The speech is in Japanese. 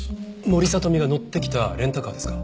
森聡美が乗ってきたレンタカーですか？